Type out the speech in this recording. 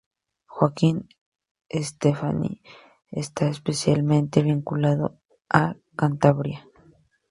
Joaquín Estefanía está especialmente vinculado a Cantabria.